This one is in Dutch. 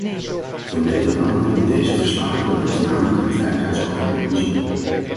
Van meet af aan heb ik deze verslagen dan ook voornamelijk uit veiligheidsoogpunt bezien.